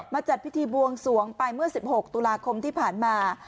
จัดพิธีบวงสวงไปเมื่อ๑๖ตุลาคมที่ผ่านมา